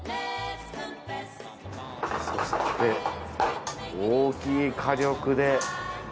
そして大きい火力で。